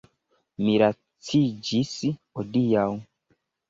Mi laciĝis hodiaŭ.